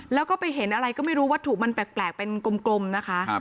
แล้วก็ไปเห็นอะไรก็ไม่รู้ว่าถูกมันแปลกแปลกเป็นกลมกลมนะคะครับ